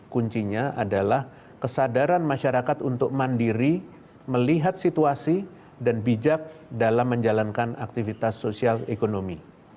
kuncinya adalah kesadaran masyarakat untuk mandiri melihat situasi dan bijak dalam menjalankan aktivitas sosial ekonomi